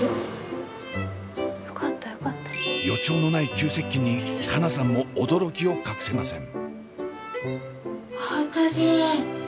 予兆のない急接近に佳奈さんも驚きを隠せません。